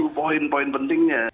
itu poin poin pentingnya